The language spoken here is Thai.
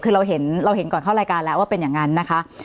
คือเราเห็นเราเห็นก่อนเข้ารายการแล้วว่าเป็นอย่างนั้นนะคะ